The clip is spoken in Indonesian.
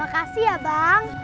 makasih ya bang